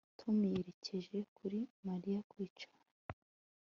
Tom yerekeje kuri Mariya kwicara